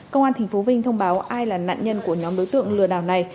công an tp vinh thông báo ai là nạn nhân của nhóm đối tượng lừa đảo này